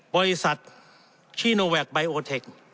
บริษัทชีโนแวคไบโอเทค